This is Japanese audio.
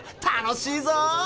楽しいぞ！